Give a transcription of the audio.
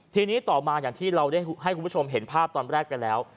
ทีนี้ต่อมาอย่างที่เราได้ให้คุณผู้ชมเห็นภาพตอนแรกกันแล้ว